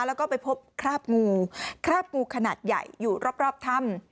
แล้วก็ไปพบคราบงูคราบงูขนาดใหญ่อยู่รอบถ้ำ